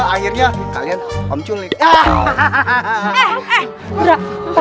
agia kalian om tulis anak kepala yang kita